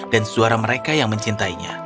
dan suara mereka yang mencintainya